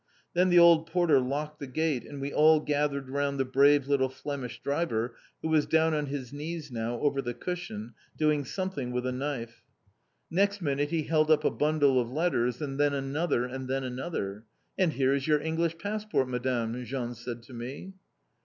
Then the old porter locked the gate and we all gathered round the brave little Flemish driver who was down on his knees now, over the cushion, doing something with a knife. Next minute he held up a bundle of letters, and then another and then another, "And here is your English passport, Madame," Jean said to me.